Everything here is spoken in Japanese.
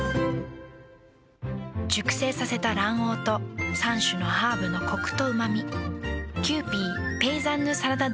熟成させた卵黄と３種のハーブのコクとうま味。